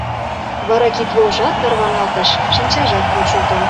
Вара кид-йолжат тарваналтыш, шинчажат почылто.